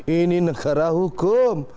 ini negara hukum